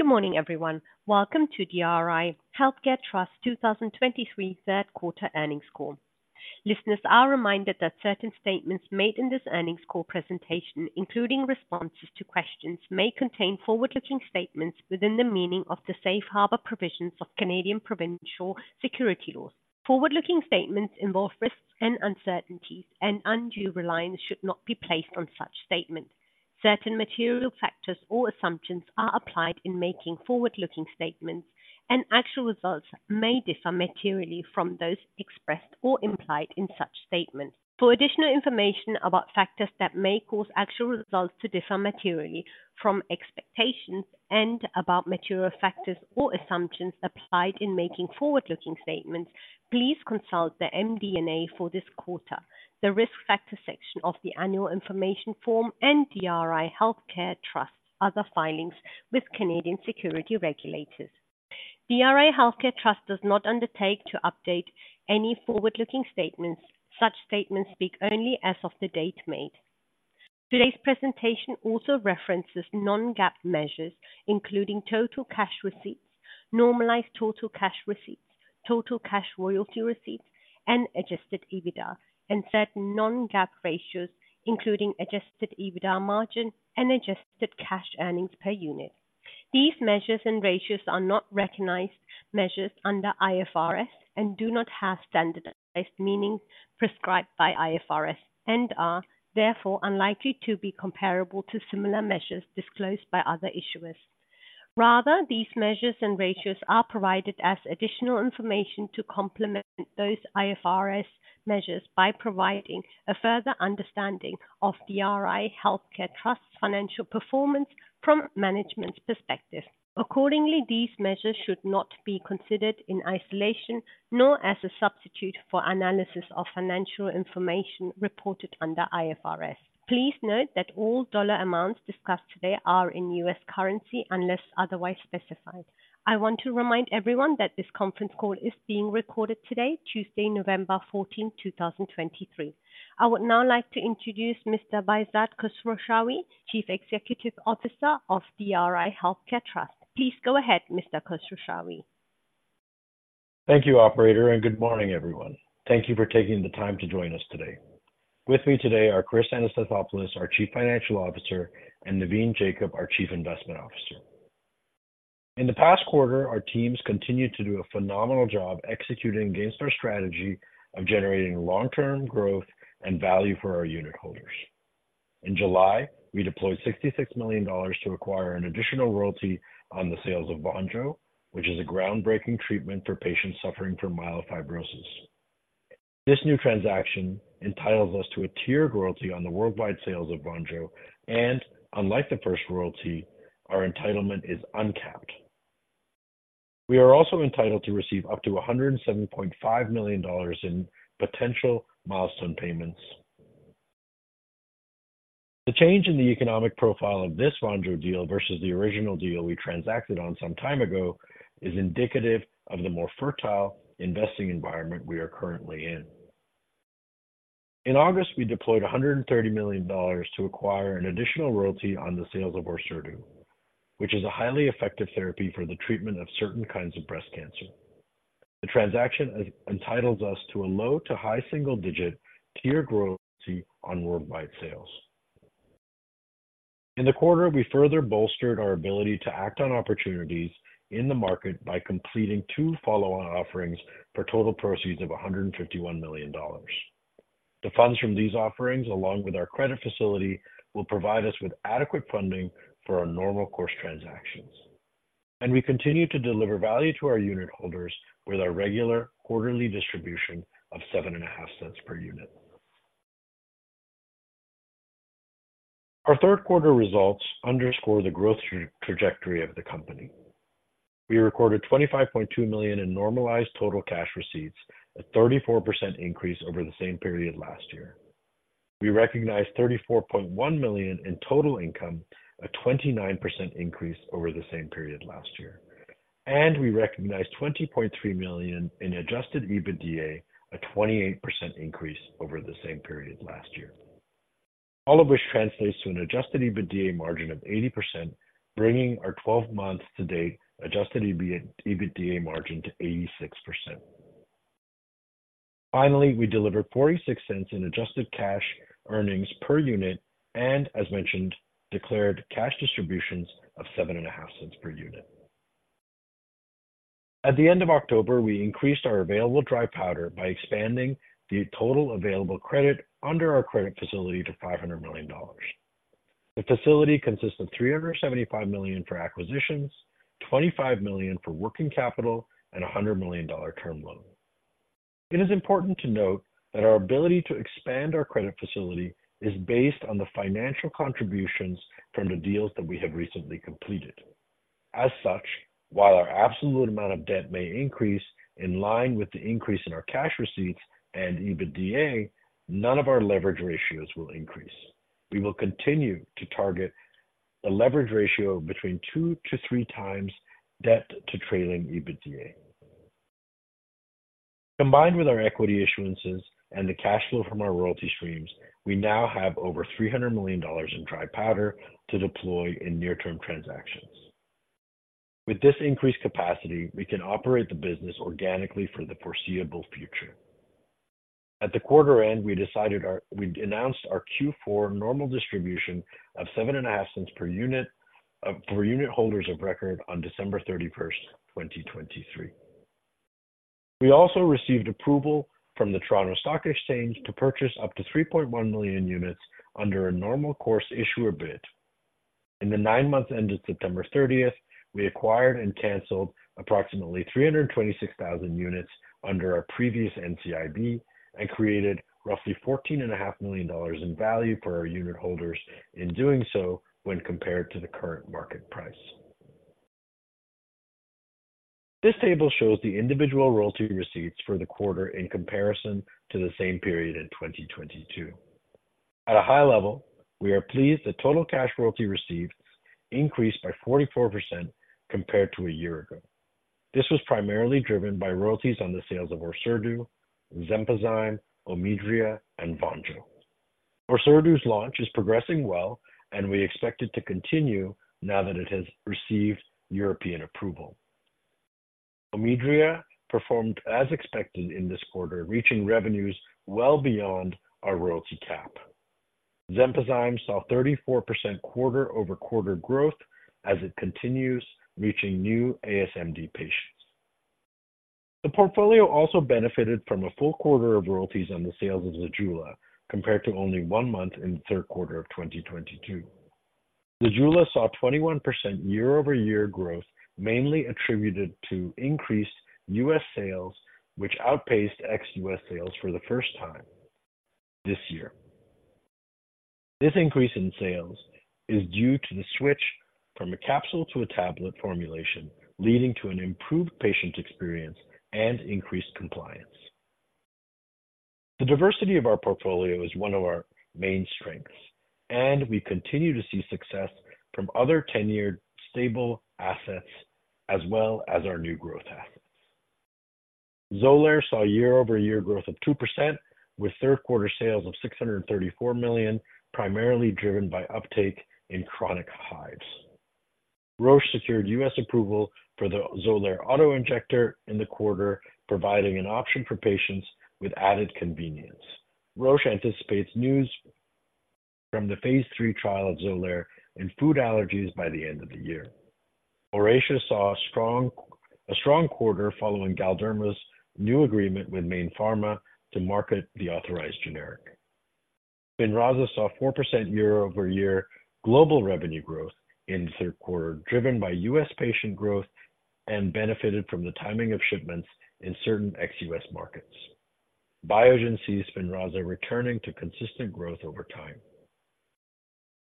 Good morning, everyone. Welcome to DRI Healthcare Trust 2023 third quarter earnings call. Listeners are reminded that certain statements made in this earnings call presentation, including responses to questions, may contain forward-looking statements within the meaning of the safe harbor provisions of Canadian provincial security laws. Forward-looking statements involve risks and uncertainties, and undue reliance should not be placed on such statements. Certain material factors or assumptions are applied in making forward-looking statements, and actual results may differ materially from those expressed or implied in such statements. For additional information about factors that may cause actual results to differ materially from expectations and about material factors or assumptions applied in making forward-looking statements, please consult the MD&A for this quarter, the Risk Factors section of the Annual Information Form, and DRI Healthcare Trust other filings with Canadian security regulators. DRI Healthcare Trust does not undertake to update any forward-looking statements. Such statements speak only as of the date made. Today's presentation also references non-GAAP measures, including total cash receipts, normalized total cash receipts, total cash royalty receipts, and Adjusted EBITDA, and certain non-GAAP ratios, including Adjusted EBITDA Margin and adjusted cash earnings per unit. These measures and ratios are not recognized measures under IFRS and do not have standardized meaning prescribed by IFRS and are therefore unlikely to be comparable to similar measures disclosed by other issuers. Rather, these measures and ratios are provided as additional information to complement those IFRS measures by providing a further understanding of DRI Healthcare Trust's financial performance from management's perspective. Accordingly, these measures should not be considered in isolation, nor as a substitute for analysis of financial information reported under IFRS. Please note that all dollar amounts discussed today are in U.S. currency, unless otherwise specified. I want to remind everyone that this conference call is being recorded today, Tuesday, November 14th, 2023. I would now like to introduce Mr. Behzad Khosrowshahi, Chief Executive Officer of DRI Healthcare Trust. Please go ahead, Mr. Khosrowshahi. Thank you, operator, and good morning, everyone. Thank you for taking the time to join us today. With me today are Chris Anastasopoulos, our Chief Financial Officer, and Navin Jacob, our Chief Investment Officer. In the past quarter, our teams continued to do a phenomenal job executing against our strategy of generating long-term growth and value for our unitholders. In July, we deployed $66 million to acquire an additional royalty on the sales of VONJO, which is a groundbreaking treatment for patients suffering from myelofibrosis. This new transaction entitles us to a tiered royalty on the worldwide sales of VONJO, and unlike the first royalty, our entitlement is uncapped. We are also entitled to receive up to $107.5 million in potential milestone payments. The change in the economic profile of this VONJO deal versus the original deal we transacted on some time ago is indicative of the more fertile investing environment we are currently in. In August, we deployed $130 million to acquire an additional royalty on the sales of ORSERDU, which is a highly effective therapy for the treatment of certain kinds of breast cancer. The transaction entitles us to a low to high single-digit tier royalty on worldwide sales. In the quarter, we further bolstered our ability to act on opportunities in the market by completing two follow-on offerings for total proceeds of $151 million. The funds from these offerings, along with our credit facility, will provide us with adequate funding for our normal course transactions, and we continue to deliver value to our unitholders with our regular quarterly distribution of $0.075 per unit. Our third quarter results underscore the growth trajectory of the company. We recorded $25.2 million in Normalized Total Cash Receipts, a 34% increase over the same period last year. We recognized $34.1 million in Total Income, a 29% increase over the same period last year, and we recognized $20.3 million in Adjusted EBITDA, a 28% increase over the same period last year. All of which translates to an Adjusted EBITDA margin of 80%, bringing our 12 months to date Adjusted EBITDA margin to 86%. Finally, we delivered $0.46 in adjusted cash earnings per unit and, as mentioned, declared cash distributions of $0.075 per unit. At the end of October, we increased our available dry powder by expanding the total available credit under our credit facility to $500 million. The facility consists of $375 million for acquisitions, $25 million for working capital, and a $100 million term loan. It is important to note that our ability to expand our credit facility is based on the financial contributions from the deals that we have recently completed. As such, while our absolute amount of debt may increase in line with the increase in our cash receipts and EBITDA, none of our leverage ratios will increase. We will continue to target a leverage ratio between 2-3x debt to trailing EBITDA. Combined with our equity issuances and the cash flow from our royalty streams, we now have over $300 million in dry powder to deploy in near-term transactions. With this increased capacity, we can operate the business organically for the foreseeable future. At the quarter end, we announced our Q4 normal distribution of $0.075 per unit for unit holders of record on December 31st, 2023. We also received approval from the Toronto Stock Exchange to purchase up to 3.1 million units under a normal course issuer bid. In the nine months ended September 30th, we acquired and canceled approximately 326,000 units under our previous NCIB, and created roughly $14.5 million in value for our unitholders in doing so when compared to the current market price. This table shows the individual royalty receipts for the quarter in comparison to the same period in 2022. At a high level, we are pleased that total cash royalty received increased by 44% compared to a year ago. This was primarily driven by royalties on the sales of ORSERDU, XENPOZYME, OMIDRIA, and VONJO. ORSERDU's launch is progressing well, and we expect it to continue now that it has received European approval. OMIDRIA performed as expected in this quarter, reaching revenues well beyond our royalty cap. XENPOZYME saw 34% quarter-over-quarter growth as it continues reaching new ASMD patients. The portfolio also benefited from a full quarter of royalties on the sales of ZEJULA, compared to only one month in the third quarter of 2022. ZEJULA saw 21% year-over-year growth, mainly attributed to increased U.S. sales, which outpaced ex-U.S. sales for the first time this year. This increase in sales is due to the switch from a capsule to a tablet formulation, leading to an improved patient experience and increased compliance. The diversity of our portfolio is one of our main strengths, and we continue to see success from other tenured, stable assets as well as our new growth assets. Xolair saw year-over-year growth of 2%, with third quarter sales of $634 million, primarily driven by uptake in chronic hives. Roche secured U.S. approval for the Xolair auto injector in the quarter, providing an option for patients with added convenience. Roche anticipates news from the phase III trial of Xolair in food allergies by the end of the year. Aurinia saw a strong quarter following Galderma's new agreement with Mayne Pharma to market the authorized generic. SPINRAZA saw 4% year-over-year global revenue growth in the third quarter, driven by U.S. patient growth and benefited from the timing of shipments in certain ex-U.S. markets. Biogen sees SPINRAZA returning to consistent growth over time.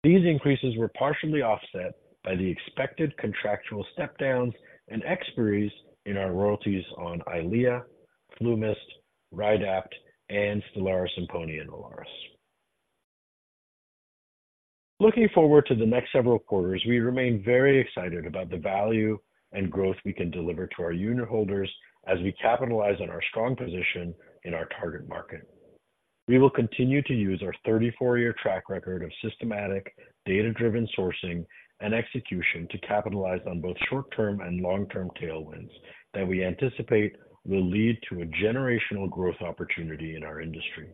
These increases were partially offset by the expected contractual step-downs and expiries in our royalties on EYLEA, FLUMIST, RYDAPT, and STELARA, SIMPONI, and ORACEA. Looking forward to the next several quarters, we remain very excited about the value and growth we can deliver to our unitholders as we capitalize on our strong position in our target market. We will continue to use our 34-year track record of systematic, data-driven sourcing and execution to capitalize on both short-term and long-term tailwinds that we anticipate will lead to a generational growth opportunity in our industry.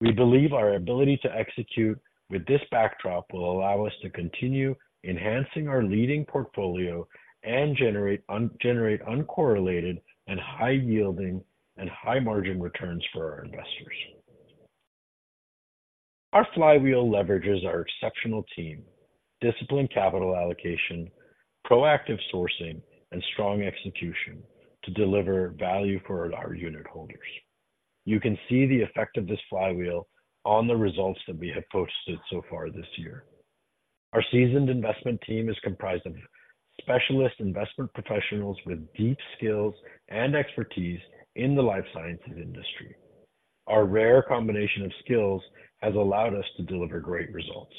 We believe our ability to execute with this backdrop will allow us to continue enhancing our leading portfolio and generate uncorrelated and high-yielding and high-margin returns for our investors. Our flywheel leverages our exceptional team, disciplined capital allocation, proactive sourcing, and strong execution to deliver value for our unitholders. You can see the effect of this flywheel on the results that we have posted so far this year. Our seasoned investment team is comprised of specialist investment professionals with deep skills and expertise in the life sciences industry. Our rare combination of skills has allowed us to deliver great results.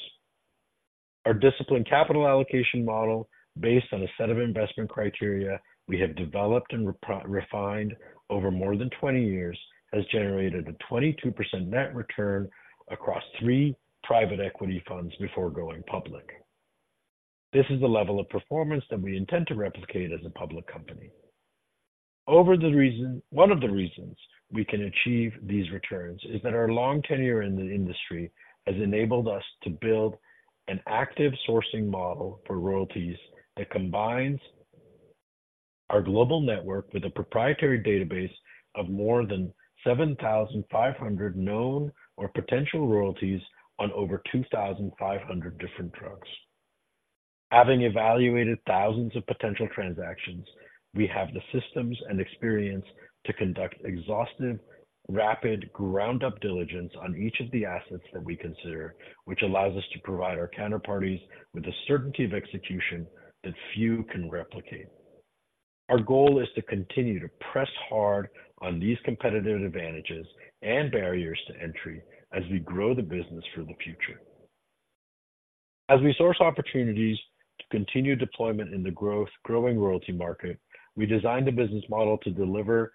Our disciplined capital allocation model, based on a set of investment criteria we have developed and refined over more than 20 years, has generated a 22% net return across three private equity funds before going public. This is the level of performance that we intend to replicate as a public company. One of the reasons we can achieve these returns is that our long tenure in the industry has enabled us to build an active sourcing model for royalties that combines our global network with a proprietary database of more than 7,500 known or potential royalties on over 2,500 different drugs. Having evaluated thousands of potential transactions, we have the systems and experience to conduct exhaustive, rapid, ground-up diligence on each of the assets that we consider, which allows us to provide our counterparties with the certainty of execution that few can replicate. Our goal is to continue to press hard on these competitive advantages and barriers to entry as we grow the business for the future. As we source opportunities to continue deployment in the growth, growing royalty market, we designed a business model to deliver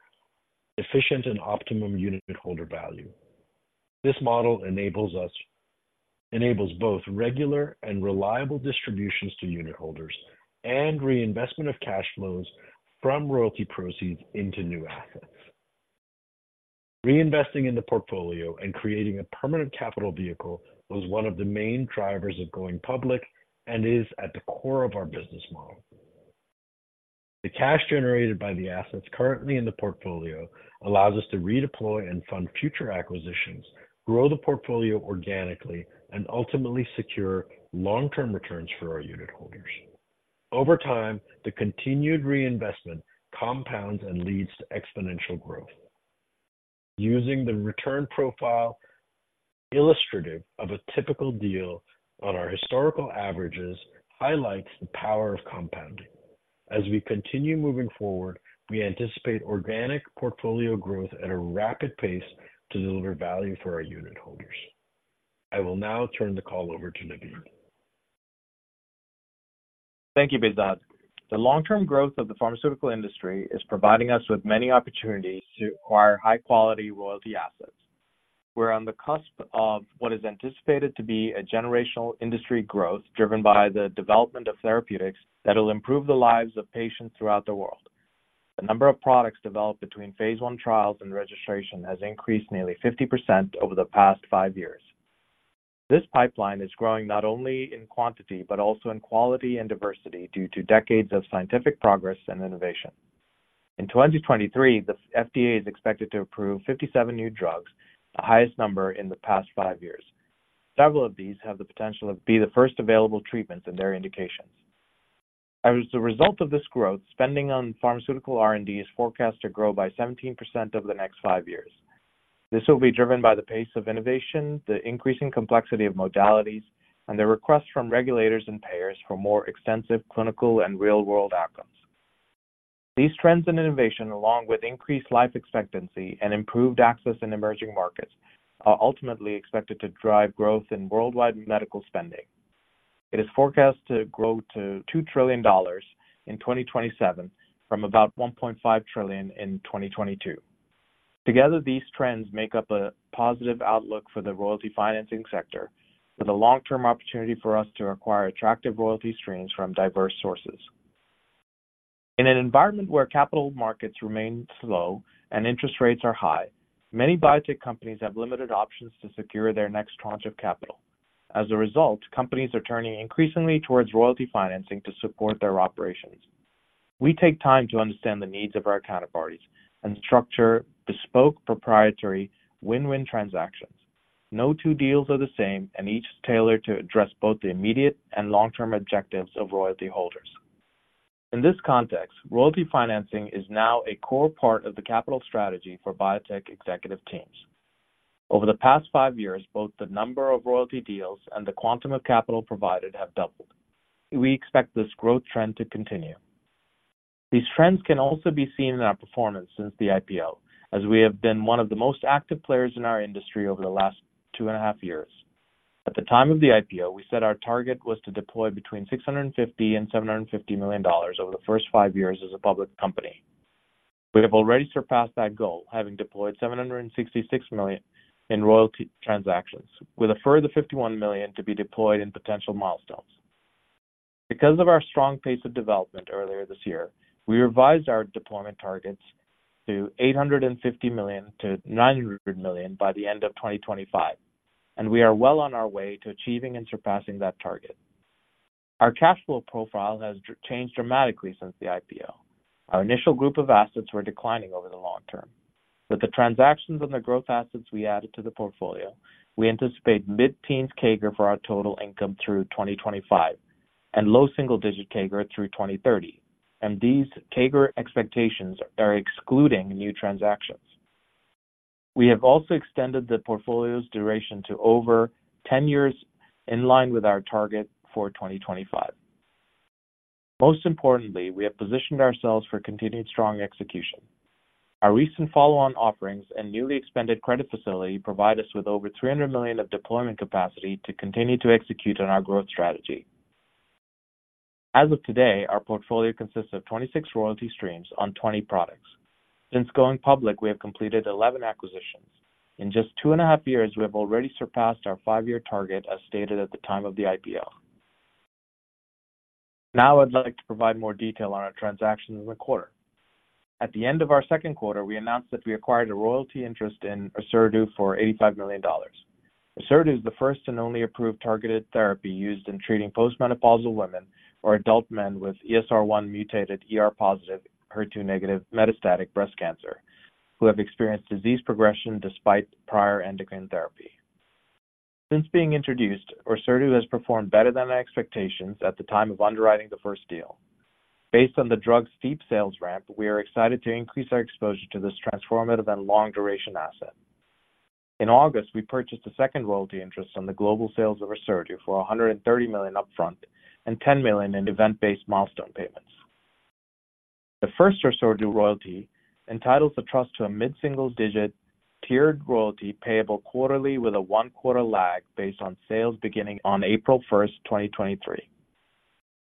efficient and optimum unitholder value. This model enables us, enables both regular and reliable distributions to unitholders and reinvestment of cash flows from royalty proceeds into new assets. Reinvesting in the portfolio and creating a permanent capital vehicle was one of the main drivers of going public and is at the core of our business model. The cash generated by the assets currently in the portfolio allows us to redeploy and fund future acquisitions, grow the portfolio organically, and ultimately secure long-term returns for our unitholders. Over time, the continued reinvestment compounds and leads to exponential growth. Using the return profile illustrative of a typical deal on our historical averages highlights the power of compounding. As we continue moving forward, we anticipate organic portfolio growth at a rapid pace to deliver value for our unitholders. I will now turn the call over to Navin. Thank you, Behzad. The long-term growth of the pharmaceutical industry is providing us with many opportunities to acquire high-quality royalty assets. We're on the cusp of what is anticipated to be a generational industry growth, driven by the development of therapeutics that will improve the lives of patients throughout the world. The number of products developed between phase one trials and registration has increased nearly 50% over the past five years. This pipeline is growing not only in quantity, but also in quality and diversity, due to decades of scientific progress and innovation. In 2023, the FDA is expected to approve 57 new drugs, the highest number in the past five years. Several of these have the potential to be the first available treatments in their indications. As a result of this growth, spending on pharmaceutical R&D is forecast to grow by 17% over the next five years. This will be driven by the pace of innovation, the increasing complexity of modalities, and the request from regulators and payers for more extensive clinical and real-world outcomes. These trends and innovation, along with increased life expectancy and improved access in emerging markets, are ultimately expected to drive growth in worldwide medical spending. It is forecast to grow to $2 trillion in 2027 from about $1.5 trillion in 2022. Together, these trends make up a positive outlook for the royalty financing sector, with a long-term opportunity for us to acquire attractive royalty streams from diverse sources. In an environment where capital markets remain slow and interest rates are high, many biotech companies have limited options to secure their next tranche of capital. As a result, companies are turning increasingly toward royalty financing to support their operations. We take time to understand the needs of our counterparties and structure bespoke, proprietary, win-win transactions. No two deals are the same, and each is tailored to address both the immediate and long-term objectives of royalty holders. In this context, royalty financing is now a core part of the capital strategy for biotech executive teams. Over the past five years, both the number of royalty deals and the quantum of capital provided have doubled. We expect this growth trend to continue. These trends can also be seen in our performance since the IPO, as we have been one of the most active players in our industry over the last two and a half years. At the time of the IPO, we said our target was to deploy between $650 million and $750 million over the first five years as a public company. We have already surpassed that goal, having deployed $766 million in royalty transactions, with a further $51 million to be deployed in potential milestones. Because of our strong pace of development earlier this year, we revised our deployment targets to $850 million-$900 million by the end of 2025, and we are well on our way to achieving and surpassing that target. Our cash flow profile has changed dramatically since the IPO. Our initial group of assets were declining over the long term. With the transactions and the growth assets we added to the portfolio, we anticipate mid-teens CAGR for our total income through 2025 and low single-digit CAGR through 2030, and these CAGR expectations are excluding new transactions. We have also extended the portfolio's duration to over 10 years, in line with our target for 2025. Most importantly, we have positioned ourselves for continued strong execution. Our recent follow-on offerings and newly expanded credit facility provide us with over $300 million of deployment capacity to continue to execute on our growth strategy. As of today, our portfolio consists of 26 royalty streams on 20 products. Since going public, we have completed 11 acquisitions. In just 2.5 years, we have already surpassed our five-year target, as stated at the time of the IPO. Now I'd like to provide more detail on our transactions in the quarter. At the end of our second quarter, we announced that we acquired a royalty interest in ORSERDU for $85 million. ORSERDU is the first and only approved targeted therapy used in treating postmenopausal women or adult men with ESR1-mutated, ER-positive, HER2-negative metastatic breast cancer, who have experienced disease progression despite prior endocrine therapy. Since being introduced, ORSERDU has performed better than expectations at the time of underwriting the first deal. Based on the drug's steep sales ramp, we are excited to increase our exposure to this transformative and long-duration asset. In August, we purchased a second royalty interest on the global sales of ORSERDU for $130 million upfront and $10 million in event-based milestone payments. The first Ursodiol royalty entitles the trust to a mid-single digit tiered royalty payable quarterly with a one-quarter lag based on sales beginning on April 1, 2023.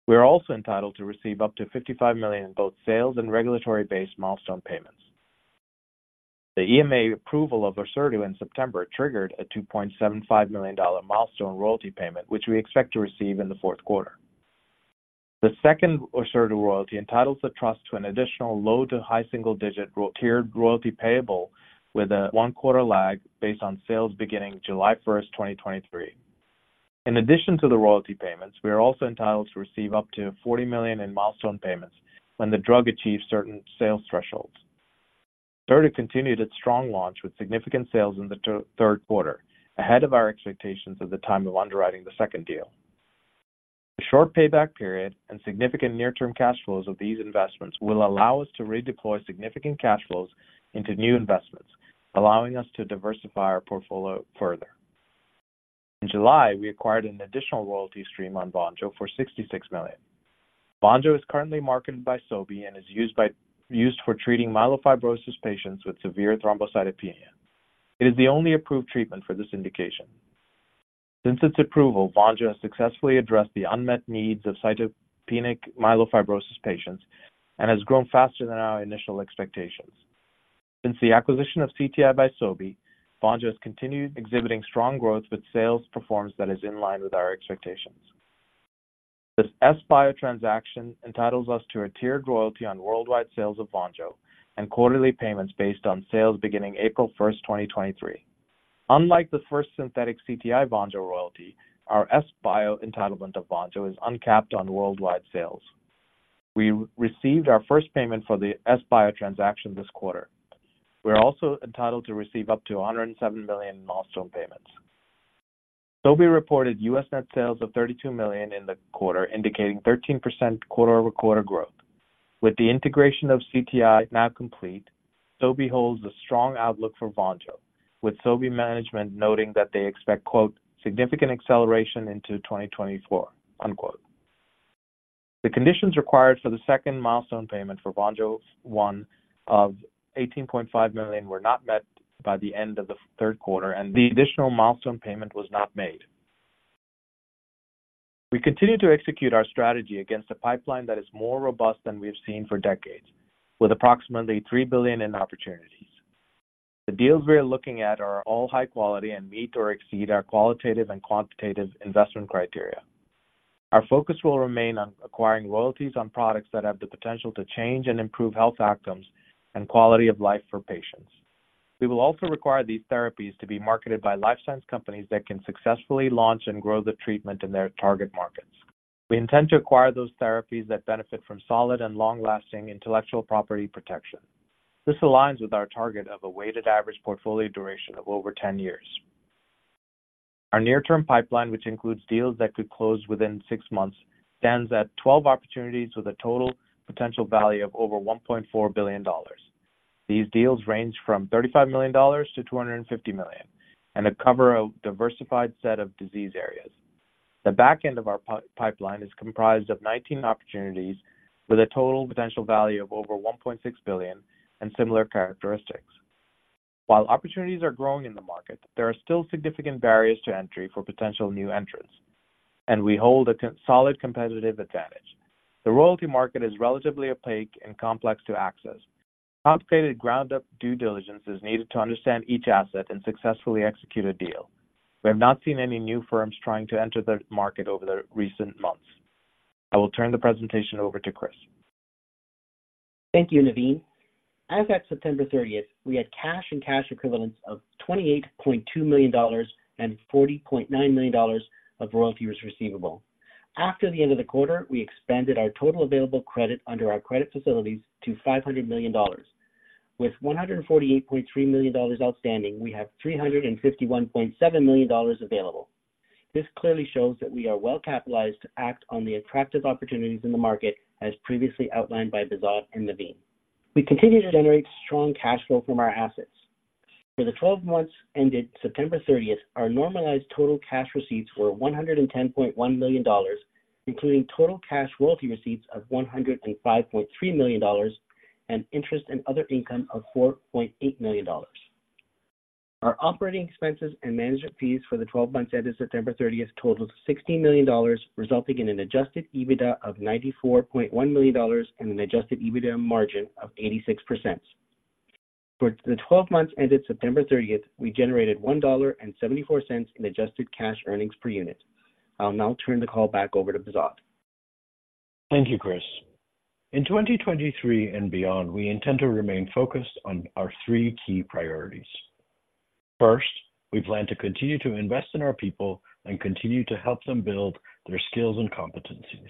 We are also entitled to receive up to $55 million in both sales and regulatory-based milestone payments. The EMA approval of Ursodiol in September triggered a $2.75 million milestone royalty payment, which we expect to receive in the fourth quarter. The second Ursodiol royalty entitles the trust to an additional low- to high single-digit royalty, tiered royalty payable with a one-quarter lag based on sales beginning July 1, 2023. In addition to the royalty payments, we are also entitled to receive up to $40 million in milestone payments when the drug achieves certain sales thresholds. Ursodiol continued its strong launch with significant sales in the third quarter, ahead of our expectations at the time of underwriting the second deal. The short payback period and significant near-term cash flows of these investments will allow us to redeploy significant cash flows into new investments, allowing us to diversify our portfolio further. In July, we acquired an additional royalty stream on VONJO for $66 million. VONJO is currently marketed by Sobi and is used for treating myelofibrosis patients with severe thrombocytopenia. It is the only approved treatment for this indication. Since its approval, VONJO has successfully addressed the unmet needs of cytopenic myelofibrosis patients and has grown faster than our initial expectations. Since the acquisition of CTI by Sobi, VONJO has continued exhibiting strong growth, with sales performance that is in line with our expectations. This Sobi transaction entitles us to a tiered royalty on worldwide sales of VONJO and quarterly payments based on sales beginning April 1, 2023. Unlike the first synthetic CTI VONJO royalty, our Sobi entitlement of VONJO is uncapped on worldwide sales. We received our first payment for the Sobi transaction this quarter. We are also entitled to receive up to $107 million in milestone payments. Sobi reported US net sales of $32 million in the quarter, indicating 13% quarter-over-quarter growth. With the integration of CTI now complete, Sobi holds a strong outlook for VONJO, with Sobi management noting that they expect, quote, "significant acceleration into 2024," unquote. The conditions required for the second milestone payment for VONJO, one of $18.5 million, were not met by the end of the third quarter, and the additional milestone payment was not made. We continue to execute our strategy against a pipeline that is more robust than we have seen for decades, with approximately $3 billion in opportunities. The deals we are looking at are all high quality and meet or exceed our qualitative and quantitative investment criteria. Our focus will remain on acquiring royalties on products that have the potential to change and improve health outcomes and quality of life for patients. We will also require these therapies to be marketed by life science companies that can successfully launch and grow the treatment in their target markets. We intend to acquire those therapies that benefit from solid and long-lasting intellectual property protection. This aligns with our target of a weighted average portfolio duration of over 10 years. Our near-term pipeline, which includes deals that could close within six months, stands at 12 opportunities with a total potential value of over $1.4 billion. These deals range from $35 million-$250 million and cover a diversified set of disease areas. The back end of our pipeline is comprised of 19 opportunities with a total potential value of over $1.6 billion and similar characteristics. While opportunities are growing in the market, there are still significant barriers to entry for potential new entrants, and we hold a solid competitive advantage. The royalty market is relatively opaque and complex to access. Complicated ground-up due diligence is needed to understand each asset and successfully execute a deal. We have not seen any new firms trying to enter the market over the recent months. I will turn the presentation over to Chris. Thank you, Navin. As at September thirtieth, we had cash and cash equivalents of $28.2 million and $40.9 million of royalties receivable. After the end of the quarter, we expanded our total available credit under our credit facilities to $500 million. With $148.3 million outstanding, we have $351.7 million available. This clearly shows that we are well capitalized to act on the attractive opportunities in the market, as previously outlined by Behzad and Navin. We continue to generate strong cash flow from our assets. For the twelve months ended September thirtieth, our normalized total cash receipts were $110.1 million, including total cash royalty receipts of $105.3 million, and interest and other income of $4.8 million. Our operating expenses and management fees for the 12 months ended September thirtieth totaled $16 million, resulting in an Adjusted EBITDA of $94.1 million and an Adjusted EBITDA margin of 86%. For the 12 months ended September thirtieth, we generated $1.74 in adjusted cash earnings per unit. I'll now turn the call back over to Behzad. Thank you, Chris. In 2023 and beyond, we intend to remain focused on our three key priorities. First, we plan to continue to invest in our people and continue to help them build their skills and competencies.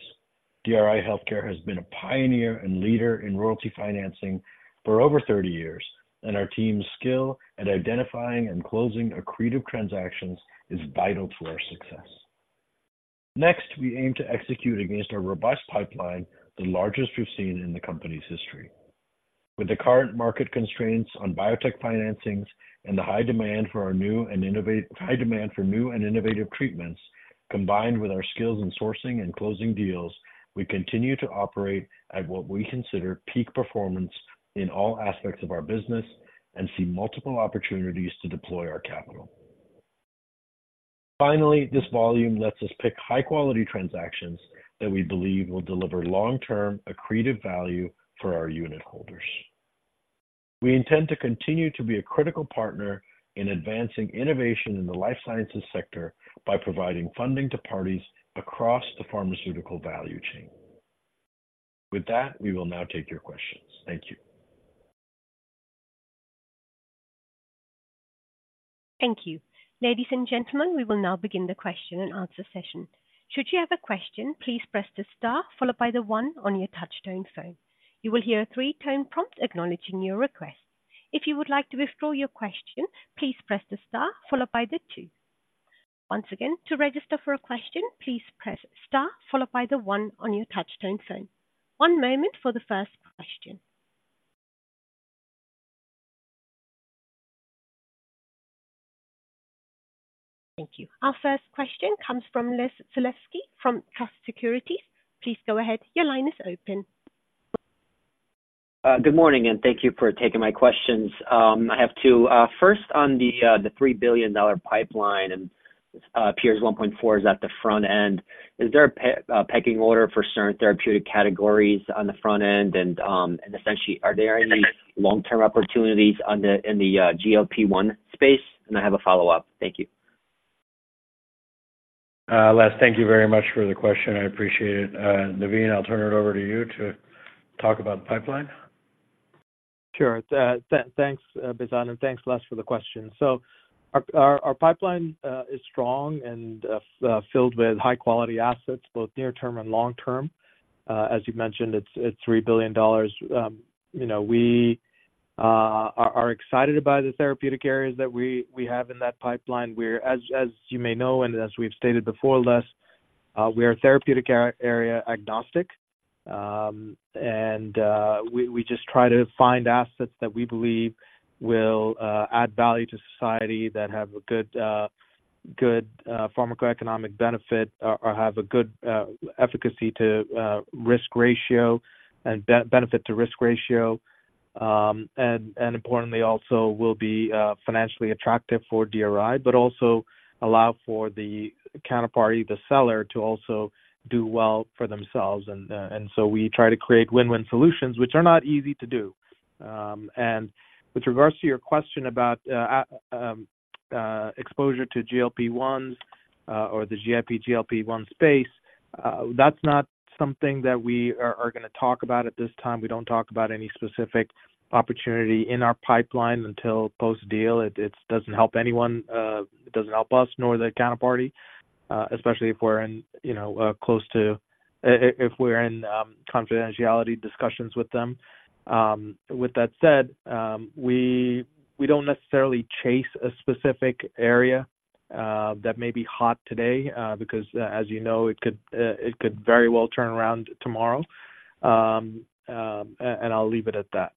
DRI Healthcare has been a pioneer and leader in royalty financing for over 30 years, and our team's skill at identifying and closing accretive transactions is vital to our success. Next, we aim to execute against our robust pipeline, the largest we've seen in the company's history.... With the current market constraints on biotech financings and the high demand for our new and innovative treatments, combined with our skills in sourcing and closing deals, we continue to operate at what we consider peak performance in all aspects of our business and see multiple opportunities to deploy our capital. Finally, this volume lets us pick high-quality transactions that we believe will deliver long-term accretive value for our unitholders. We intend to continue to be a critical partner in advancing innovation in the life sciences sector by providing funding to parties across the pharmaceutical value chain. With that, we will now take your questions. Thank you. Thank you. Ladies and gentlemen, we will now begin the question-and-answer session. Should you have a question, please press the star followed by the one on your touchtone phone. You will hear a three-tone prompt acknowledging your request. If you would like to withdraw your question, please press the star followed by the two. Once again, to register for a question, please press star followed by the one on your touchtone phone. One moment for the first question. Thank you. Our first question comes from Les Sulewski from Truist Securities. Please go ahead. Your line is open. Good morning, and thank you for taking my questions. I have two. First, on the $3 billion pipeline, and peers 1.4 is at the front end. Is there a pecking order for certain therapeutic categories on the front end? And, essentially, are there any long-term opportunities on the, in the GLP-1 space? And I have a follow-up. Thank you. Les, thank you very much for the question. I appreciate it. Navin, I'll turn it over to you to talk about the pipeline. Sure. Thanks, Behzad, and thanks, Les, for the question. So our pipeline is strong and filled with high-quality assets, both near term and long term. As you've mentioned, it's $3 billion. You know, we are excited about the therapeutic areas that we have in that pipeline. We're, as you may know, and as we've stated before, Les, we are therapeutic area agnostic. And we just try to find assets that we believe will add value to society, that have a good pharmacoeconomic benefit or have a good efficacy to risk ratio and benefit to risk ratio. And importantly, also will be financially attractive for DRI, but also allow for the counterparty, the seller, to also do well for themselves. We try to create win-win solutions, which are not easy to do. With regards to your question about exposure to GLP-1s, or the GIP, GLP-1 space, that's not something that we are gonna talk about at this time. We don't talk about any specific opportunity in our pipeline until post-deal. It doesn't help anyone. It doesn't help us nor the counterparty, especially if we're in, you know, close to... If we're in confidentiality discussions with them. With that said, we don't necessarily chase a specific area that may be hot today, because as you know, it could very well turn around tomorrow. I'll leave it at that.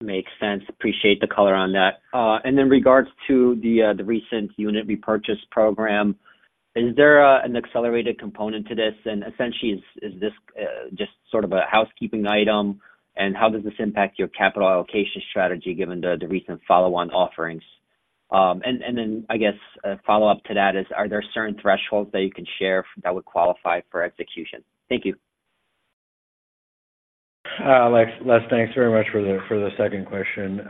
Makes sense. Appreciate the color on that. And in regards to the recent unit repurchase program, is there an accelerated component to this? And essentially, is this just sort of a housekeeping item? And how does this impact your capital allocation strategy, given the recent follow-on offerings? And then I guess a follow-up to that is, are there certain thresholds that you can share that would qualify for execution? Thank you. Les, thanks very much for the second question.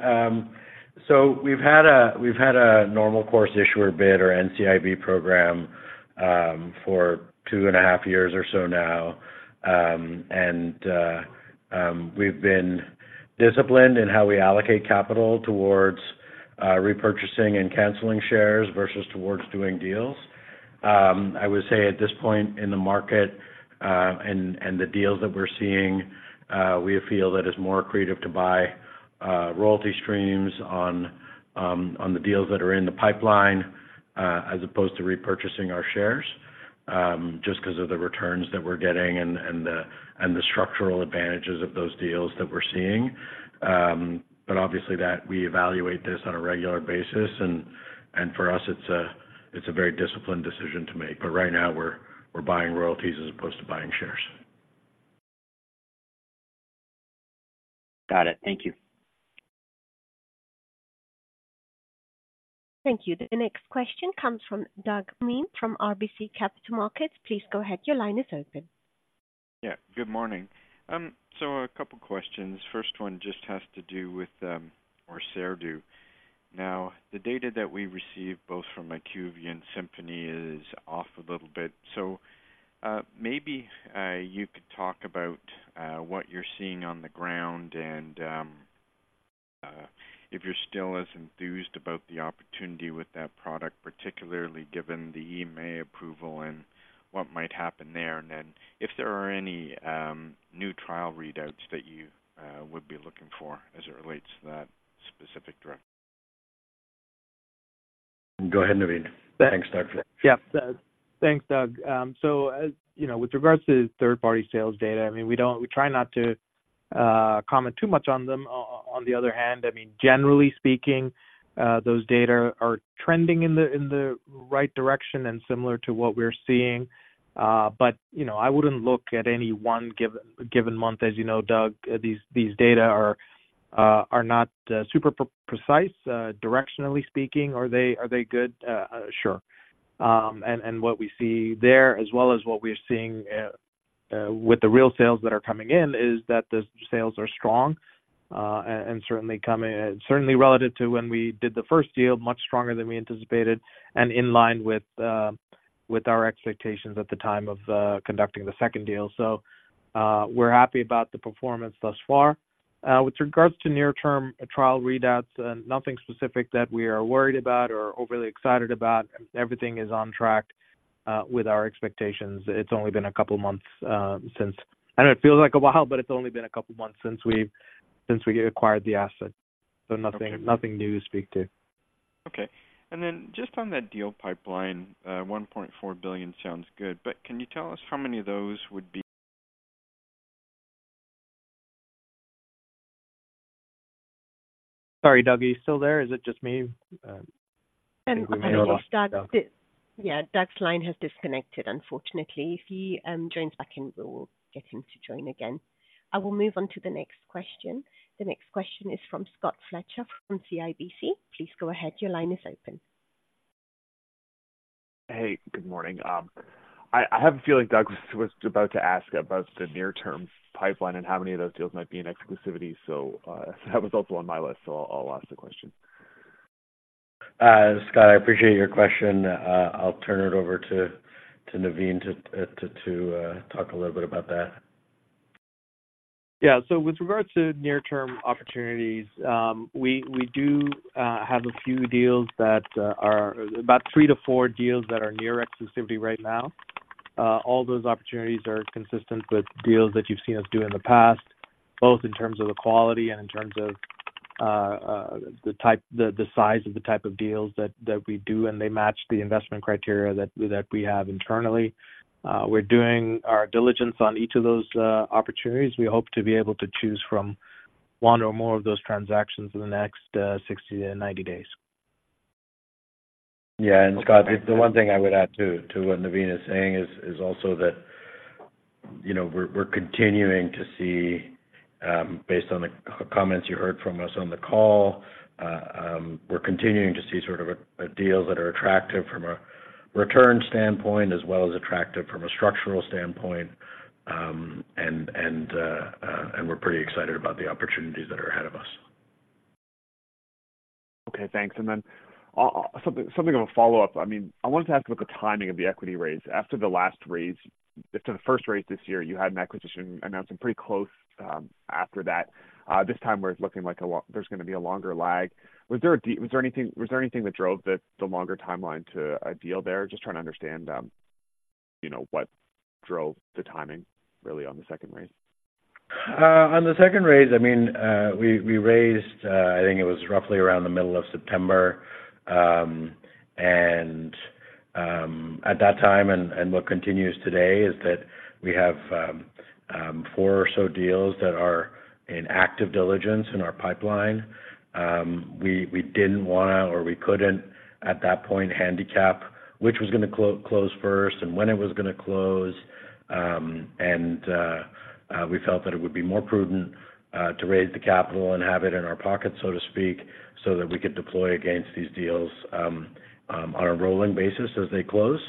So we've had a normal course issuer bid, or NCIB program, for 2.5 years or so now. We've been disciplined in how we allocate capital towards repurchasing and canceling shares versus towards doing deals. I would say at this point in the market, and the deals that we're seeing, we feel that it's more accretive to buy royalty streams on the deals that are in the pipeline, as opposed to repurchasing our shares, just because of the returns that we're getting and the structural advantages of those deals that we're seeing. But obviously that we evaluate this on a regular basis, and for us, it's a very disciplined decision to make. But right now we're buying royalties as opposed to buying shares. Got it. Thank you. Thank you. The next question comes from Doug Miehm, from RBC Capital Markets. Please go ahead. Your line is open. Yeah, good morning. So a couple questions. First one just has to do with ORSERDU. Now, the data that we received, both from IQVIA and Symphony, is off a little bit. So, maybe you could talk about what you're seeing on the ground and if you're still as enthused about the opportunity with that product, particularly given the EMA approval and what might happen there. And then if there are any new trial readouts that you would be looking for as it relates to that specific drug? ...Go ahead, Navin. Thanks, Doug. Yeah. Thanks, Doug. So as you know, with regards to third-party sales data, I mean, we don't, we try not to comment too much on them. On the other hand, I mean, generally speaking, those data are trending in the right direction and similar to what we're seeing. But you know, I wouldn't look at any one given month. As you know, Doug, these data are not super precise. Directionally speaking, are they good? Sure. What we see there, as well as what we're seeing with the real sales that are coming in, is that the sales are strong, and certainly relative to when we did the first deal, much stronger than we anticipated and in line with our expectations at the time of conducting the second deal. So, we're happy about the performance thus far. With regards to near-term trial readouts, nothing specific that we are worried about or overly excited about. Everything is on track with our expectations. It's only been a couple of months, and it feels like a while, but it's only been a couple of months since we acquired the asset. So nothing new to speak to. Okay. Then just on that deal pipeline, $1.4 billion sounds good, but can you tell us how many of those would be? Sorry, Doug, are you still there? Is it just me? Yeah, Doug's line has disconnected, unfortunately. If he joins back in, we will get him to join again. I will move on to the next question. The next question is from Scott Fletcher from CIBC. Please go ahead. Your line is open. Hey, good morning. I have a feeling Doug was about to ask about the near-term pipeline and how many of those deals might be in exclusivity. So, that was also on my list. So I'll ask the question. Scott, I appreciate your question. I'll turn it over to Navin to talk a little bit about that. Yeah. So with regard to near-term opportunities, we do have a few deals that are about three to four deals that are near exclusivity right now. All those opportunities are consistent with deals that you've seen us do in the past, both in terms of the quality and in terms of the type, the size of the type of deals that we do, and they match the investment criteria that we have internally. We're doing our diligence on each of those opportunities. We hope to be able to choose from one or more of those transactions in the next 60-90 days. Yeah, and Scott, the one thing I would add, too, to what Navin is saying is also that, you know, we're continuing to see, based on the comments you heard from us on the call, we're continuing to see sort of a deals that are attractive from a return standpoint as well as attractive from a structural standpoint. And we're pretty excited about the opportunities that are ahead of us. Okay, thanks. And then, something of a follow-up. I mean, I wanted to ask about the timing of the equity raise. After the last raise, after the first raise this year, you had an acquisition announced and pretty close after that. This time we're looking like there's going to be a longer lag. Was there anything that drove the longer timeline to a deal there? Just trying to understand, you know, what drove the timing really on the second raise? On the second raise, I mean, we raised, I think it was roughly around the middle of September. At that time, and what continues today is that we have four or so deals that are in active diligence in our pipeline. We didn't want to or we couldn't, at that point, handicap which was going to close first and when it was going to close. We felt that it would be more prudent to raise the capital and have it in our pockets, so to speak, so that we could deploy against these deals on a rolling basis as they close.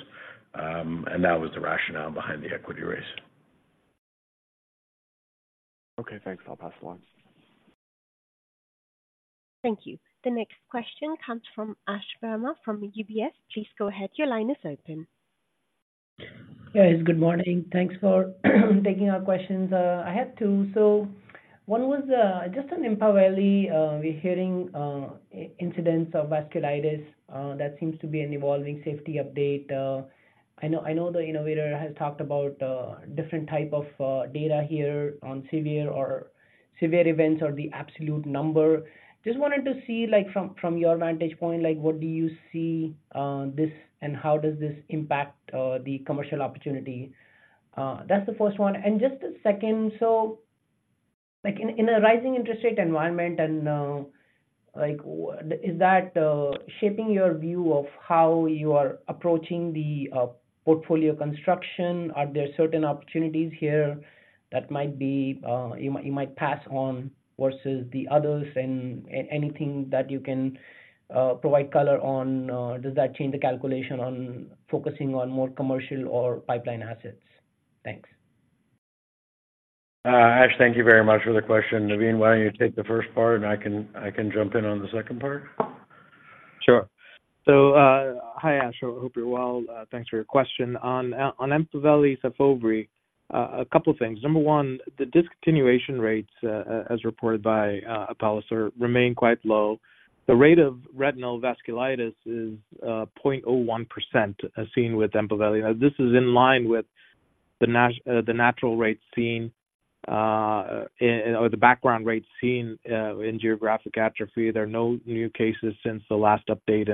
That was the rationale behind the equity raise. Okay, thanks. I'll pass along. Thank you. The next question comes from Ash Verma from UBS. Please go ahead. Your line is open. Yes, good morning. Thanks for taking our questions. I have two. So one was, just on EMPAVELI. We're hearing, incidents of vasculitis, that seems to be an evolving safety update. I know, I know the innovator has talked about, different type of, data here on severe or severe events or the absolute number. Just wanted to see, like, from, from your vantage point, like, what do you see, this and how does this impact, the commercial opportunity? That's the first one. And just the second, so like in a, in a rising interest rate environment and, like, is that, shaping your view of how you are approaching the, portfolio construction? Are there certain opportunities here that might be, you might, you might pass on versus the others? Anything that you can provide color on, does that change the calculation on focusing on more commercial or pipeline assets? Thanks. Ash, thank you very much for the question. Navin, why don't you take the first part and I can jump in on the second part? Sure. So, hi, Ash. I hope you're well. Thanks for your question. On, on EMPAVELI/SYFOVRE, a couple of things. Number one, the discontinuation rates, as reported by Apellis, remain quite low. The rate of retinal vasculitis is 0.01%, as seen with EMPAVELI. This is in line with the natural rate seen and/or the background rates seen in geographic atrophy. There are no new cases since the last update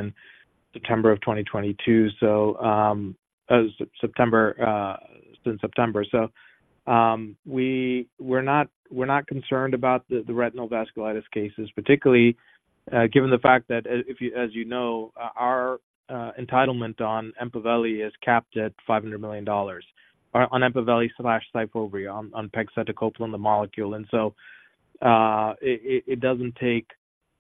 in September 2022. So, since September. So, we're not concerned about the retinal vasculitis cases, particularly, given the fact that, as you know, our entitlement on EMPAVELI is capped at $500 million, on EMPAVELI/SYFOVRE, on pegcetacoplan, the molecule. It doesn't take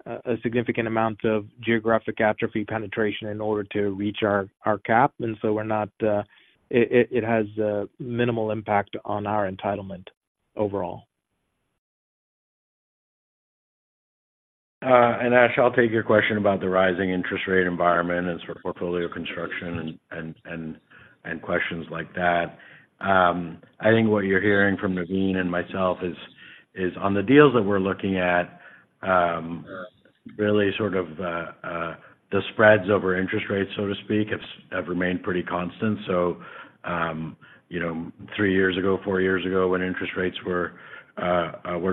a significant amount of geographic atrophy penetration in order to reach our cap, and so it has a minimal impact on our entitlement overall. And Ash, I'll take your question about the rising interest rate environment and portfolio construction and questions like that. I think what you're hearing from Navin and myself is on the deals that we're looking at, really sort of the spreads over interest rates, so to speak, have remained pretty constant. So, you know, three years ago, four years ago, when interest rates were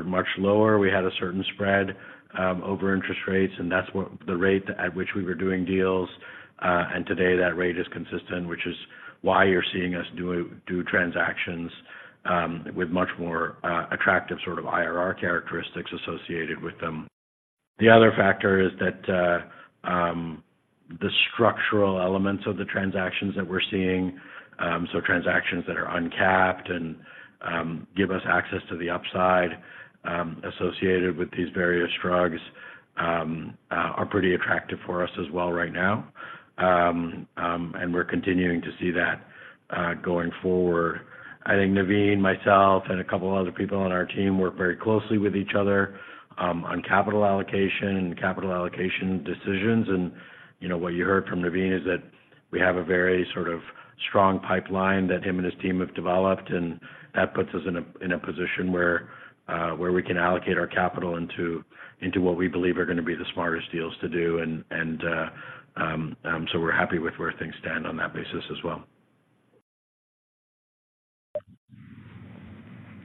much lower, we had a certain spread over interest rates, and that's what the rate at which we were doing deals. And today, that rate is consistent, which is why you're seeing us do transactions with much more attractive sort of IRR characteristics associated with them. The other factor is that, the structural elements of the transactions that we're seeing, so transactions that are uncapped and, give us access to the upside, associated with these various drugs, are pretty attractive for us as well right now. We're continuing to see that, going forward. I think Navin, myself, and a couple of other people on our team work very closely with each other, on capital allocation and capital allocation decisions. You know, what you heard from Navin is that we have a very sort of strong pipeline that him and his team have developed, and that puts us in a, in a position where, where we can allocate our capital into, into what we believe are going to be the smartest deals to do. So we're happy with where things stand on that basis as well.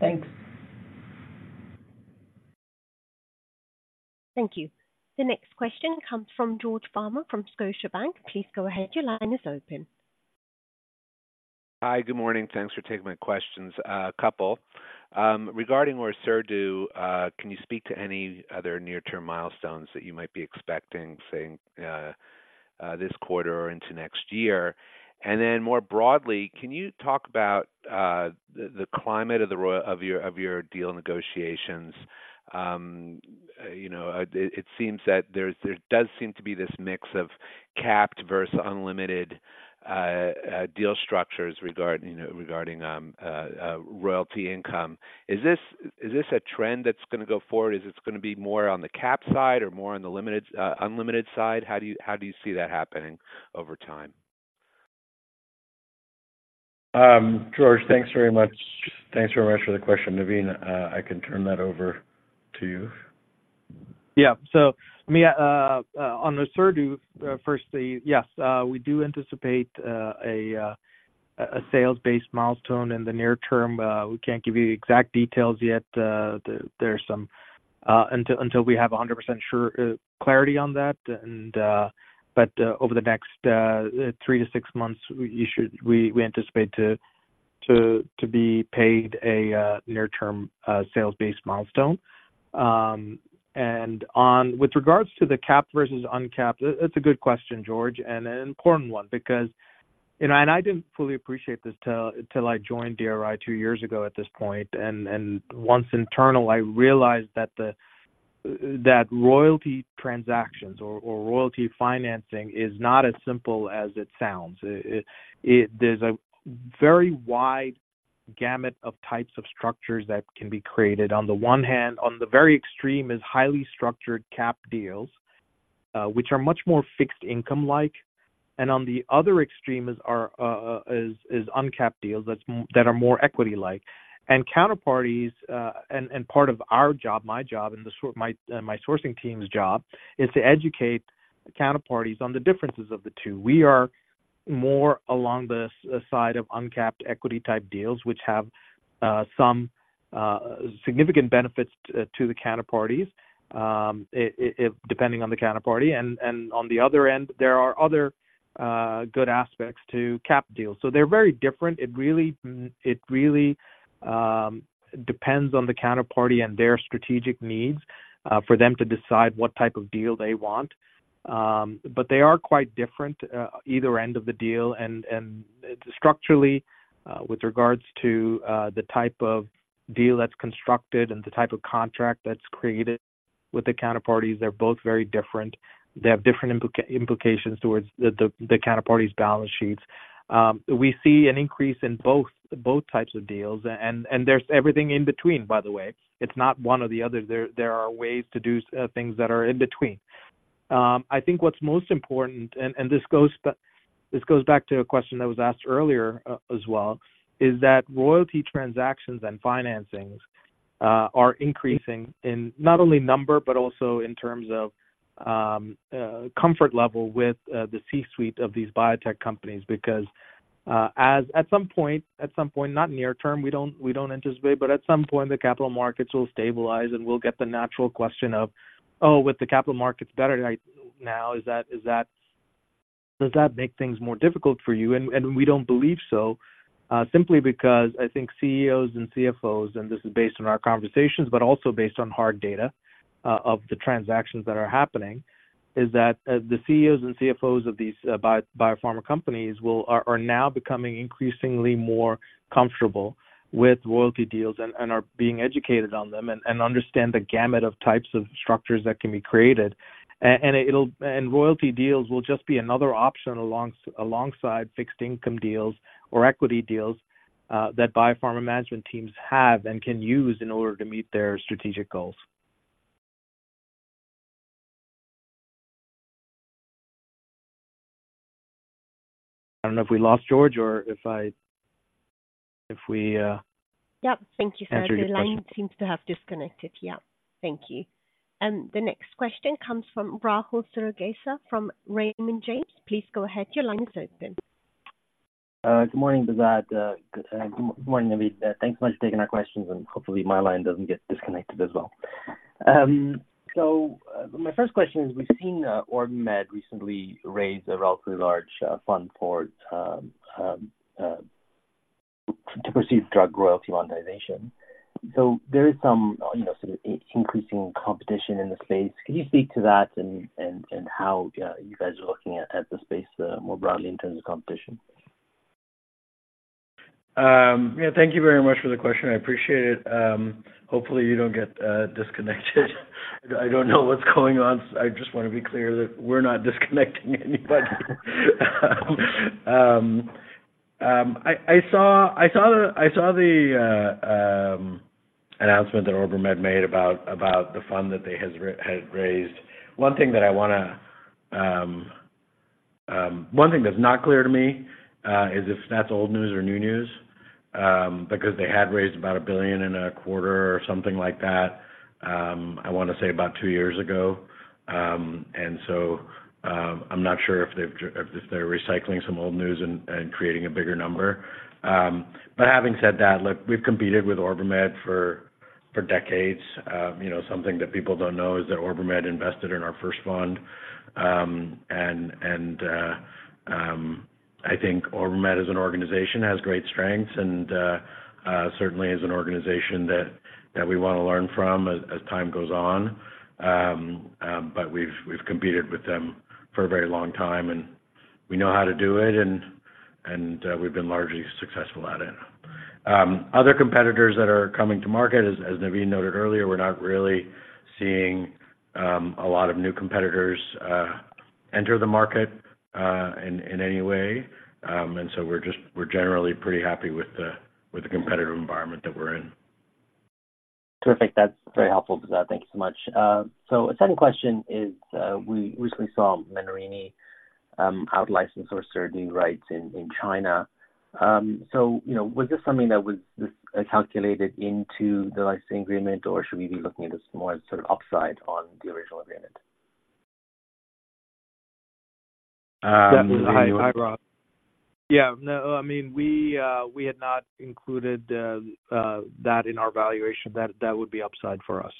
Thanks. Thank you. The next question comes from George Farmer from Scotiabank. Please go ahead. Your line is open. Hi, good morning. Thanks for taking my questions. A couple. Regarding ORSERDU, can you speak to any other near term milestones that you might be expecting, say, this quarter or into next year? And then more broadly, can you talk about the climate of the royalty of your deal negotiations? You know, it seems that there's, there does seem to be this mix of capped versus unlimited deal structures regarding royalty income. Is this a trend that's going to go forward? Is it going to be more on the cap side or more on the unlimited side? How do you see that happening over time? George, thanks very much. Thanks very much for the question. Navin, I can turn that over to you. Yeah. So on ORSERDU, firstly, yes, we do anticipate a sales-based milestone in the near term. We can't give you exact details yet. There's some until we have 100% sure clarity on that. But over the next three to six months, we should. We anticipate to be paid a near-term sales-based milestone. And on... With regards to the capped versus uncapped, that's a good question, George, and an important one, because, you know, and I didn't fully appreciate this till until I joined DRI two years ago at this point, and once internal, I realized that the royalty transactions or royalty financing is not as simple as it sounds. There's a very wide gamut of types of structures that can be created. On the one hand, on the very extreme, is highly structured capped deals, which are much more fixed income-like, and on the other extreme is our uncapped deals that are more equity-like. And counterparties, part of our job, my job, and the sourcing team's job, is to educate counterparties on the differences of the two. We are more along the side of uncapped equity-type deals, which have some significant benefits to the counterparties, depending on the counterparty. On the other end, there are other good aspects to capped deals. They're very different. It really depends on the counterparty and their strategic needs for them to decide what type of deal they want. But they are quite different, either end of the deal. And structurally, with regards to the type of deal that's constructed and the type of contract that's created with the counterparties, they're both very different. They have different implications towards the counterparty's balance sheets. We see an increase in both types of deals, and there's everything in between, by the way. It's not one or the other. There are ways to do things that are in between. I think what's most important, and this goes back to a question that was asked earlier, as well, is that royalty transactions and financings are increasing in not only number, but also in terms of comfort level with the C-suite of these biotech companies. Because at some point, not near term, we don't anticipate, but at some point, the capital markets will stabilize, and we'll get the natural question of, oh, with the capital markets better right now, is that, does that make things more difficult for you? We don't believe so, simply because I think CEOs and CFOs, and this is based on our conversations, but also based on hard data of the transactions that are happening, is that the CEOs and CFOs of these biopharma companies are now becoming increasingly more comfortable with royalty deals and are being educated on them, and understand the gamut of types of structures that can be created. And it'll... And royalty deals will just be another option alongside fixed income deals or equity deals that biopharma management teams have and can use in order to meet their strategic goals. I don't know if we lost George or if I, if we... Yep. Thank you, sir. Answered your question. The line seems to have disconnected. Yeah. Thank you. And the next question comes from Rahul Sarugaser, from Raymond James. Please go ahead. Your line is open. Good morning, Behzad. Good morning, Navin. Thanks so much for taking our questions, and hopefully, my line doesn't get disconnected as well. So, my first question is: we've seen OrbiMed recently raise a relatively large fund for to proceed drug royalty monetization. So there is some, you know, sort of increasing competition in the space. Could you speak to that and, and, and how you guys are looking at the space more broadly in terms of competition? Yeah, thank you very much for the question. I appreciate it. Hopefully, you don't get disconnected. I don't know what's going on. I just want to be clear that we're not disconnecting anybody. I saw the announcement that OrbiMed made about the fund that they had raised. One thing that's not clear to me is if that's old news or new news, because they had raised about $1.25 billion or something like that, I wanna say about two years ago. And so, I'm not sure if they're recycling some old news and creating a bigger number. But having said that, look, we've competed with OrbiMed for decades. You know, something that people don't know is that OrbiMed invested in our first fund. I think OrbiMed, as an organization, has great strengths and certainly is an organization that we wanna learn from as time goes on. But we've competed with them for a very long time, and we know how to do it, and we've been largely successful at it. Other competitors that are coming to market, as Navin noted earlier, we're not really seeing a lot of new competitors enter the market in any way. And so we're just generally pretty happy with the competitive environment that we're in. Terrific. That's very helpful, Behzad. Thank you so much. So a second question is, we recently saw Menarini out-license certain rights in China. So, you know, was this something that was calculated into the licensing agreement, or should we be looking at this more as sort of upside on the original agreement? Um- Hi. Hi, Rahul. Yeah, no, I mean, we had not included that in our valuation. That would be upside for us.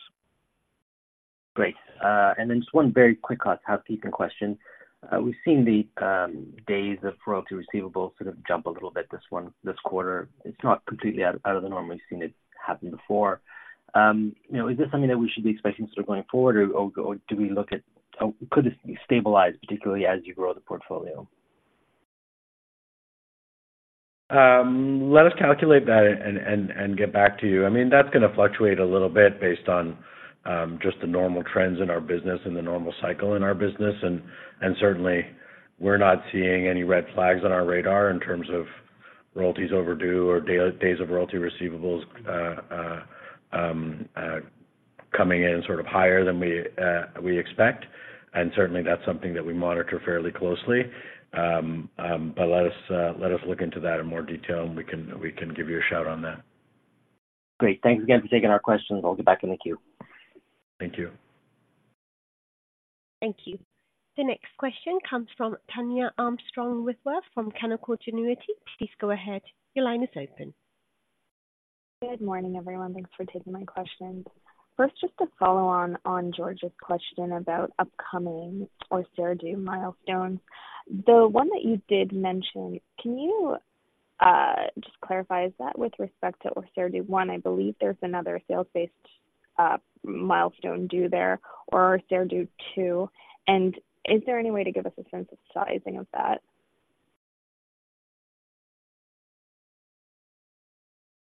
Great. Then just one very quick housekeeping question. We've seen the days of royalty receivables sort of jump a little bit, this one, this quarter. It's not completely out of the norm. We've seen it happen before. You know, is this something that we should be expecting sort of going forward, or do we look at... Could this stabilize, particularly as you grow the portfolio? Let us calculate that and get back to you. I mean, that's gonna fluctuate a little bit based on just the normal trends in our business and the normal cycle in our business. Certainly, we're not seeing any red flags on our radar in terms of royalties overdue or days of royalty receivables coming in sort of higher than we expect, and certainly that's something that we monitor fairly closely. But let us look into that in more detail, and we can give you a shout on that. Great. Thanks again for taking our questions. I'll get back in the queue. Thank you. Thank you. The next question comes from Tanya Armstrong-Whitworth from Canaccord Genuity. Please go ahead. Your line is open. Good morning, everyone. Thanks for taking my questions. First, just to follow on, on George's question about upcoming ORSERDU milestones. The one that you did mention, can you, just clarify, is that with respect to ORSERDU I? I believe there's another sales-based, milestone due there or ORSERDU II. And is there any way to give us a sense of sizing of that?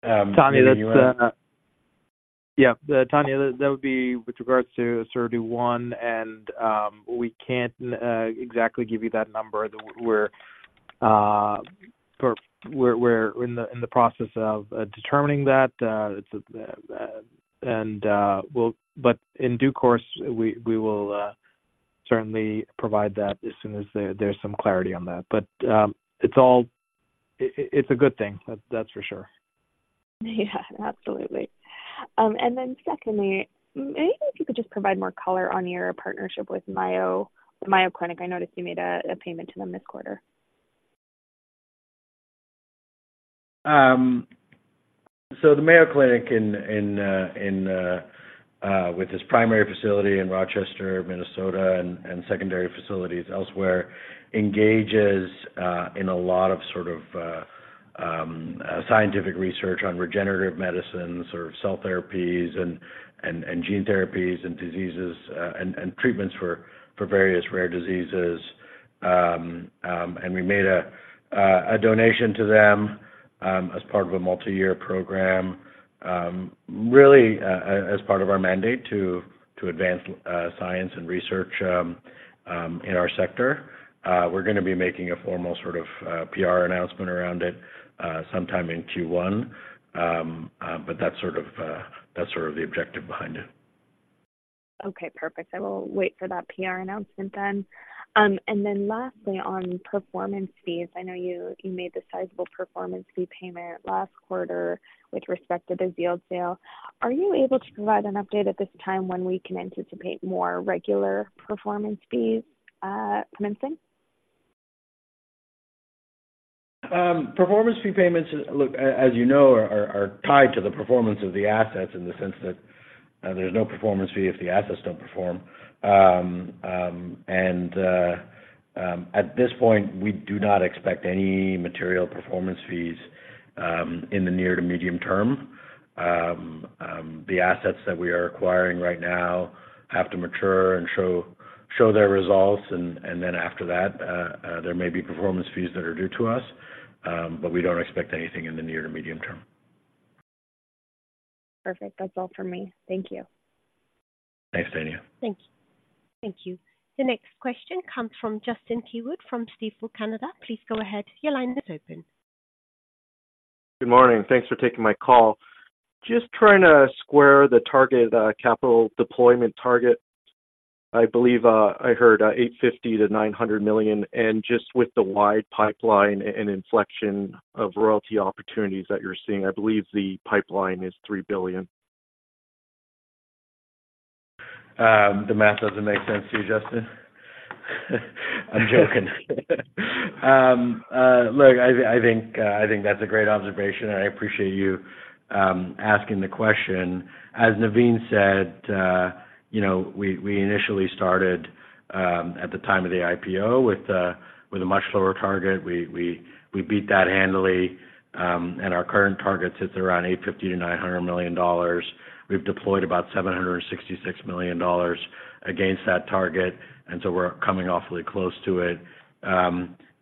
Tanya, that's, Yeah, Tanya, that would be with regards to ORSERDU I, and we can't exactly give you that number. We're in the process of determining that, and we'll, but in due course, we will certainly provide that as soon as there's some clarity on that. But it's all, it's a good thing, that's for sure. Yeah, absolutely. And then secondly, maybe if you could just provide more color on your partnership with Mayo Clinic. I noticed you made a payment to them this quarter. So the Mayo Clinic, with its primary facility in Rochester, Minnesota, and secondary facilities elsewhere, engages in a lot of sort of scientific research on regenerative medicines or cell therapies and gene therapies and diseases and treatments for various rare diseases. And we made a donation to them as part of a multi-year program, really as part of our mandate to advance science and research in our sector. We're gonna be making a formal sort of PR announcement around it sometime in Q1. But that's sort of the objective behind it. Okay, perfect. I will wait for that PR announcement then. And then lastly, on performance fees. I know you, you made the sizable performance fee payment last quarter with respect to the yield sale. Are you able to provide an update at this time when we can anticipate more regular performance fees commencing? Performance fee payments, look, as you know, are tied to the performance of the assets in the sense that there's no performance fee if the assets don't perform. At this point, we do not expect any material performance fees in the near to medium term. The assets that we are acquiring right now have to mature and show their results, and then after that, there may be performance fees that are due to us, but we don't expect anything in the near to medium term. Perfect. That's all for me. Thank you. Thanks, Tania. Thank you. Thank you. The next question comes from Justin Keywood from Stifel Canada. Please go ahead. Your line is open. Good morning. Thanks for taking my call. Just trying to square the target, capital deployment target. I believe, I heard, $850 million-$900 million, and just with the wide pipeline and inflection of royalty opportunities that you're seeing, I believe the pipeline is $3 billion. The math doesn't make sense to you, Justin? I'm joking. Look, I, I think I think that's a great observation. I appreciate you asking the question. As Navin said, you know, we, we initially started at the time of the IPO with a, with a much lower target. We, we, we beat that handily, and our current target sits around $850 million-$900 million. We've deployed about $766 million against that target, and so we're coming awfully close to it.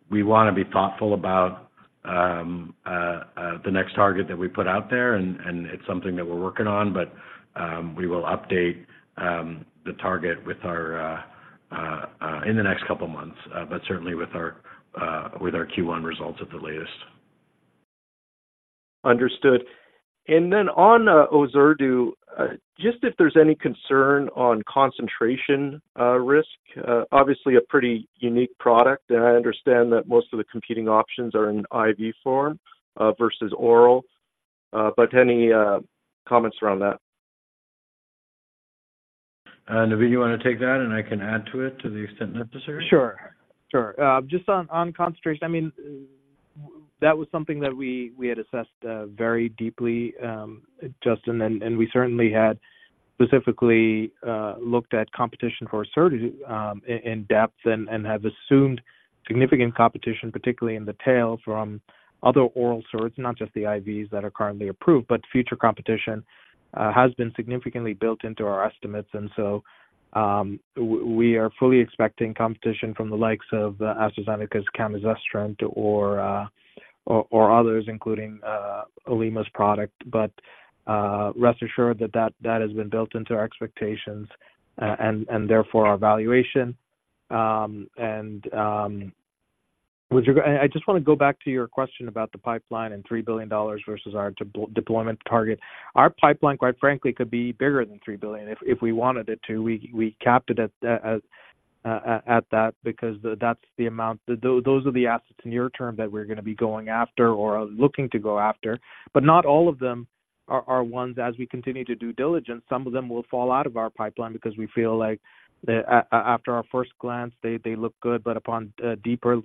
We wanna be thoughtful about the next target that we put out there and, and it's something that we're working on, but we will update the target with our in the next couple of months, but certainly with our with our Q1 results at the latest. Understood. Then on ORSERDU, just if there's any concern on concentration risk. Obviously a pretty unique product, and I understand that most of the competing options are in IV form versus oral, but any comments around that? Navin, you wanna take that, and I can add to it to the extent necessary? Sure. Sure. Just on concentration, I mean, that was something that we had assessed very deeply, Justin, and we certainly had specifically looked at competition for ORSERDU in depth and have assumed significant competition, particularly in the tail from other oral SERDs, not just the IVs that are currently approved. But future competition has been significantly built into our estimates, and so we are fully expecting competition from the likes of AstraZeneca's camizestrant or others, including Lilly's product. But rest assured that that has been built into our expectations and therefore our valuation. And would you... I just wanna go back to your question about the pipeline and $3 billion versus our deployment target. Our pipeline, quite frankly, could be bigger than $3 billion if we wanted it to. We capped it at that because that's the amount. Those are the assets in near term that we're gonna be going after or are looking to go after. But not all of them are ones as we continue to due diligence, some of them will fall out of our pipeline because we feel like, after our first glance, they look good, but upon a deeper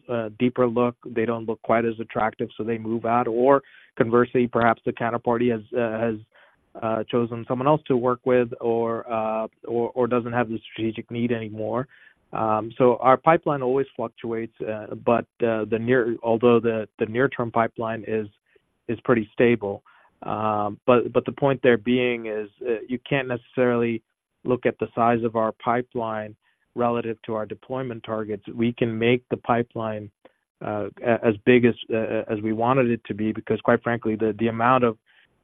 look, they don't look quite as attractive, so they move out. Or conversely, perhaps the counterparty has chosen someone else to work with or doesn't have the strategic need anymore. So our pipeline always fluctuates, but the near-term pipeline is pretty stable. But the point there being is, you can't necessarily look at the size of our pipeline relative to our deployment targets. We can make the pipeline as big as we wanted it to be, because, quite frankly, the amount of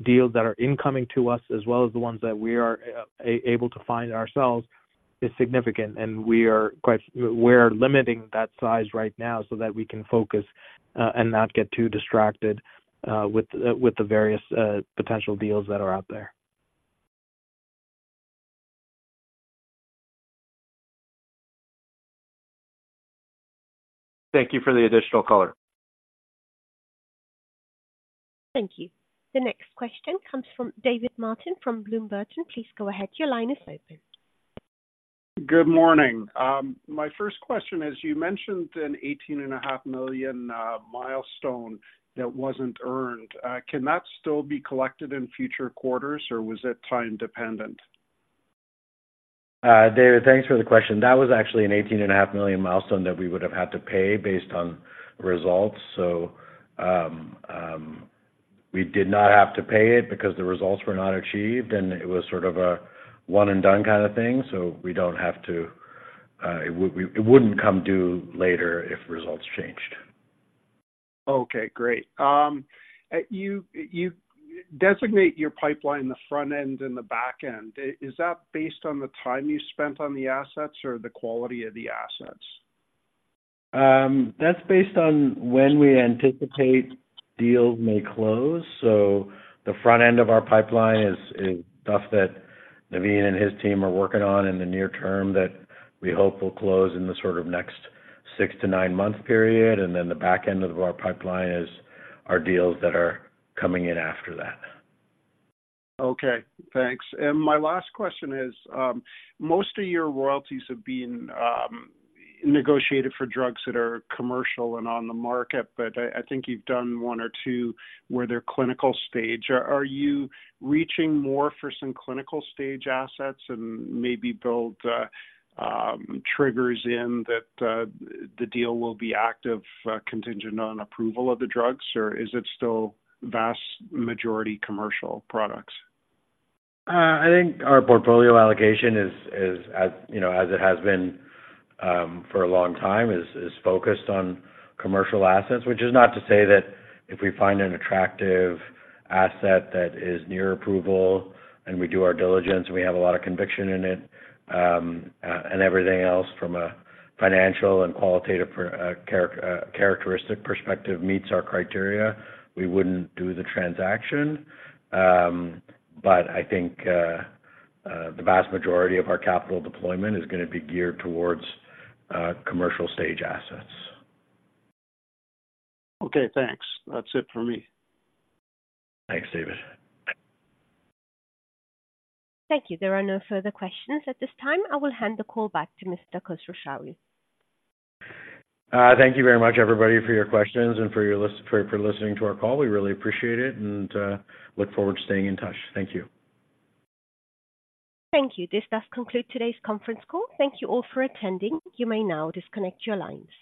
deals that are incoming to us, as well as the ones that we are able to find ourselves, are-... is significant, and we are quite, we're limiting that size right now so that we can focus, and not get too distracted, with the, with the various, potential deals that are out there. Thank you for the additional color. Thank you. The next question comes from David Martin from Bloom Burton. Please go ahead. Your line is open. Good morning. My first question is, you mentioned a $18.5 million milestone that wasn't earned. Can that still be collected in future quarters, or was it time dependent? David, thanks for the question. That was actually an $18.5 million milestone that we would have had to pay based on results. So, we did not have to pay it because the results were not achieved, and it was sort of a one and done kind of thing, so we don't have to, it would, it wouldn't come due later if results changed. Okay, great. You designate your pipeline, the front end and the back end. Is that based on the time you spent on the assets or the quality of the assets? That's based on when we anticipate deals may close. So the front end of our pipeline is stuff that Navin and his team are working on in the near term that we hope will close in the sort of next six to nine-month period. And then the back end of our pipeline is our deals that are coming in after that. Okay, thanks. And my last question is, most of your royalties have been negotiated for drugs that are commercial and on the market, but I think you've done one or two where they're clinical stage. Are you reaching more for some clinical stage assets and maybe build triggers in that the deal will be active contingent on approval of the drugs? Or is it still vast majority commercial products? I think our portfolio allocation is, as you know, as it has been for a long time, is focused on commercial assets. Which is not to say that if we find an attractive asset that is near approval and we do our diligence, and we have a lot of conviction in it, and everything else from a financial and qualitative perspective meets our criteria, we wouldn't do the transaction. But I think the vast majority of our capital deployment is gonna be geared towards commercial stage assets. Okay, thanks. That's it for me. Thanks, David. Thank you. There are no further questions at this time. I will hand the call back to Mr. Khosrowshahi. Thank you very much, everybody, for your questions and for listening to our call. We really appreciate it and look forward to staying in touch. Thank you. Thank you. This does conclude today's conference call. Thank you all for attending. You may now disconnect your lines.